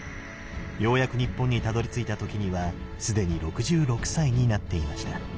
ようやく日本にたどりついた時には既に６６歳になっていました。